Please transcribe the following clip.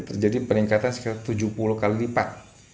terjadi peningkatan sekitar tujuh puluh kali lipat